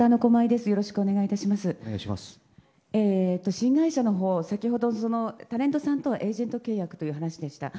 新会社のほう先ほど、タレントさんとはエージェント契約という話でした。